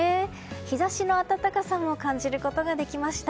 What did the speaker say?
日差しの暖かさも感じることができました。